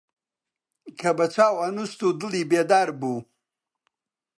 کە بە چاو ئەنووست دڵی بێدار بوو